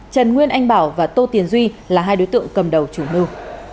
trần nguyên anh bảo và tô tiền duy là hai đối tượng cầm đầu chủ mưu